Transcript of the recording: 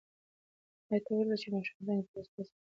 آیا تا ولیدل چې ماشوم څنګه په موسکا سره منډه کړه؟